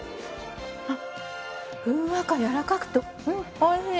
ふんわかやわらかくて美味しい！